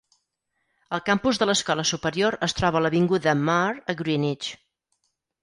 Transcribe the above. El campus de l'escola superior es troba a l'avinguda Maher a Greenwich.